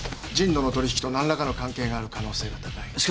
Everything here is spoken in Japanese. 神野の取引と何らかの関係がある可能性が高い。